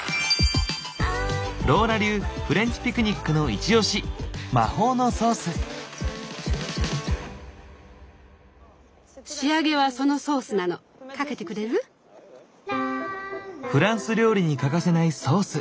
ローラ流フレンチピクニックのイチオシフランス料理に欠かせないソース。